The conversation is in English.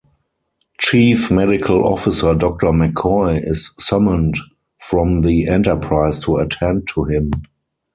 Chief Medical Officer Doctor McCoy is summoned from the "Enterprise" to attend to him.